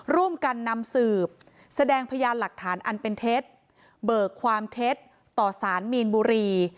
ร่วมกันนำสืบแสดงพยานหลักฐานอันเป็นเท็จเบิกความเท็จต่อสารมีนบุรี